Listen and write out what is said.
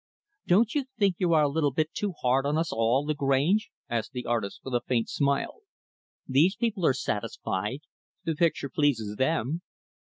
"Don't you think you are a little bit too hard on us all, Lagrange?" asked the artist, with a faint smile. "These people are satisfied. The picture pleases them."